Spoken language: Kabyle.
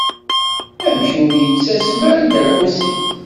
Amek ur yettasem ara Dda Lḥusin?